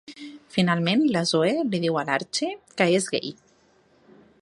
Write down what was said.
Finalment, la Zoe li diu a l'Archie que és gai.